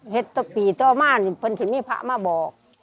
เห็นตะปี่เจ้ามั่นเป็นเถนี้พะมาบอก